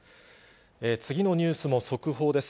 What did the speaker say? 次のニュースも速報です。